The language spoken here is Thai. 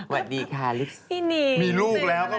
วันนี้ค่ะลุกส์พี่นีนึกแล้วมีลูกแล้ว